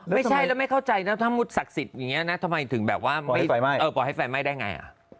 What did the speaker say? ไม่ใช่แล้วถ้ามุดศักดิ์สิทธิ์อย่างนี้ทำไมถึงแบบว่าปล่อยไฟแม่เปล่าพอให้ไฟไม่ได้ไง